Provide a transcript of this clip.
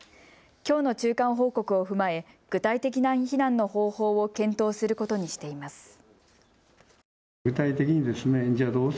きょうの中間報告を踏まえ具体的な避難の方法を検討することにしています。